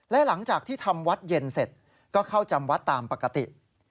และหลังจากที่ทำวัดเย็นเสร็จก็เข้าจำวัดตามปกติ